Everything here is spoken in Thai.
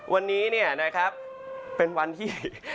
วันนี้เป็นวันที่